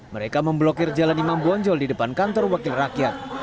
mereka memblokir jalan imam bonjol di depan kantor wakil rakyat